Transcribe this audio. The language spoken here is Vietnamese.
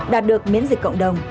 đạt được miễn dịch cộng đồng